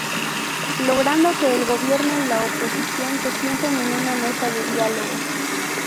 Logrando que el gobierno y la oposición se sienten en una mesa de diálogo.